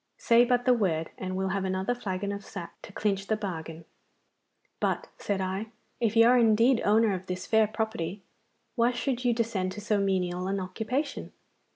Say but the word, and we'll have another flagon of sack to clinch the bargain.' 'But,' said I, 'if you are indeed owner of this fair property, why should you descend to so menial an occupation?